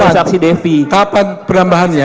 saksi devi kapan penambahannya